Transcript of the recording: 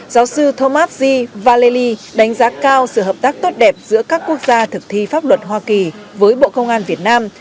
giáo sư thomas g vallely đánh giá cao sự hợp tác tốt đẹp giữa các quốc gia thực thi pháp luật hoa kỳ với bộ công an việt nam